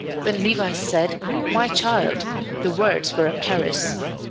When Levice said, "My child," the words were a caress.